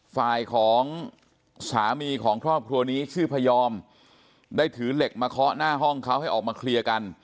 ฝ่ายของสามีของครอบครัวนี้ชื่อพยอมได้ถือเหล็กมาเคาะหน้าห้องเขาให้ออกมาเคลียร์กัน